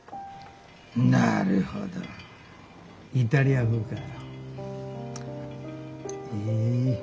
なるほどイタリア風か。